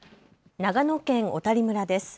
長野県小谷村です。